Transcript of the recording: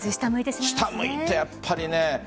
下向いて、やっぱりね。